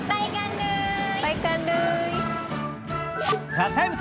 「ＴＨＥＴＩＭＥ，」